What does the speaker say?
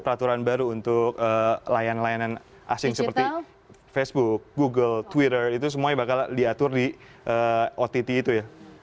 peraturan baru untuk layanan layanan asing seperti facebook google twitter itu semuanya bakal diatur di ott itu ya